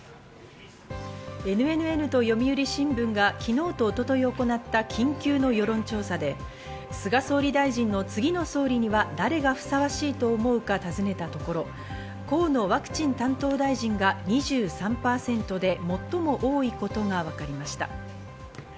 ＮＮＮと読売新聞が昨日と一昨日行った緊急の世論調査で、菅総理大臣の次の総理には誰がふさわしいと思うか訪ねたところ、河野ワクチン担当大臣が２３％で最も多いことがわかりました。